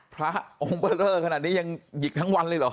พระองค์เบอร์เลอร์ขนาดนี้ยังหยิกทั้งวันเลยเหรอ